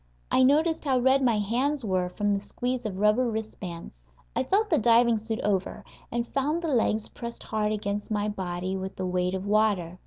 I noticed how red my hands were from the squeeze of rubber wrist bands. I felt the diving suit over, and found the legs pressed hard against my body with the weight of water.